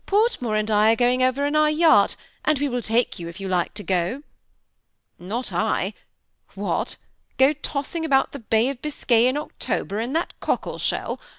Portmore and I . are going over in our yacht, and we will take you if you like to go." " Not I ; what ! go tos^ng about the Bay of Biscay in October in that cockle shell